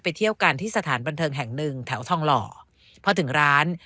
เที่ยวกันที่สถานบันเทิงแห่งหนึ่งแถวทองหล่อพอถึงร้าน